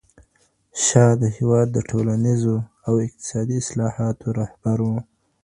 شاه د هېواد د ټولنیزو او اقتصادي اصلاحاتو رهبر و.